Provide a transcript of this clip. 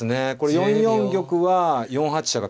４四玉は４八飛車が。